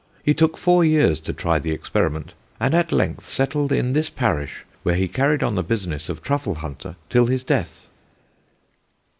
He took four years to try the experiment, and at length settled in this parish, where he carried on the business of truffle hunter till his death."